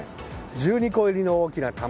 １２個入りの大きな卵